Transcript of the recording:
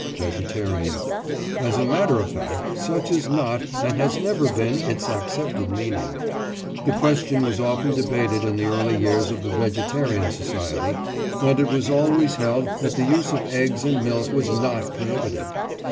VEGETARIAN: As a matter of fact, such is not, and has never been, its accepted meaning. The question was often debated in the early years of the Vegetarian Society, and it was always held that the use of eggs and milk was not prohibited.